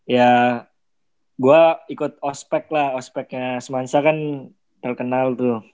ya gue ikut ospec lah ospecnya semansa kan terkenal tuh